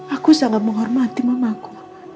aku sangat menghormati mamaku